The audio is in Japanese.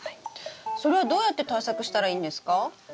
それはどうやって対策したらいいんですか？